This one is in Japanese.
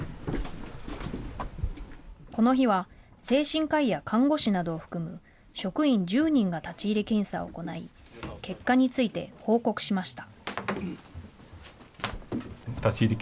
この日は精神科医や看護師などを含む職員１０人が立ち入り検査を行い、結果について報告しました。